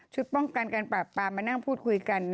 ป้องกันการปราบปรามมานั่งพูดคุยกัน